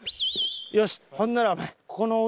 よしほんならお前